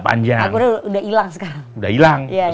agur udah hilang sekarang